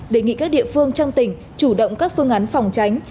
đề nghị các địa phương trong tỉnh chủ động các phương án phòng tránh